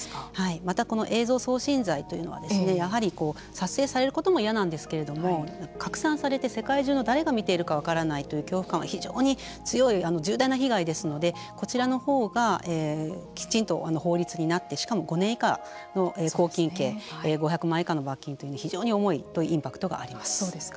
また、この影像送信罪というのはやはり撮影されることも嫌なんですけれども拡散されて世界中の誰が見ているか分からないという恐怖感は非常に強い重大な被害ですのでこちらのほうがきちんと法律になってしかも５年以下の拘禁刑５００万円以下の罰金という非常に重いというインパクトがあります。